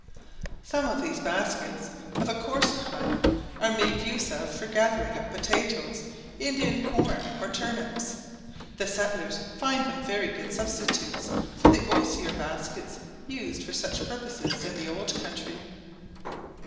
Some of these baskets, of a coarse kind, are made use of for gathering up potatoes, Indian corn, or turnips; the settlers finding them very good substitutes for the osier baskets used for such purposes in the old country.